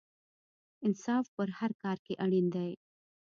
انصاف په هر کار کې اړین دی.